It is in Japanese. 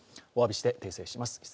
お詫びして、訂正します。